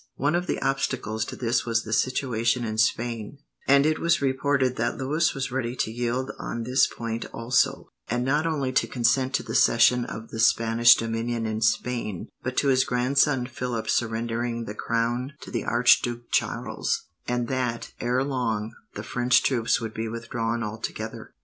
One of the obstacles to this was the situation in Spain, and it was reported that Louis was ready to yield on this point also, and not only to consent to the cession of the Spanish dominion in Spain, but to his grandson Philip surrendering the crown to the Archduke Charles; and that, ere long, the French troops would be withdrawn altogether.